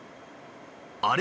あれ？